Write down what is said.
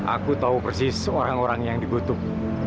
aku tahu persis orang orang yang dibutuhkan